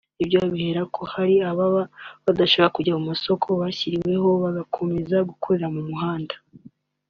Ibyo abihera ko hari ababa badashaka kujya mu masoko bashyiriweho bagakomeza gukorera mu mihanda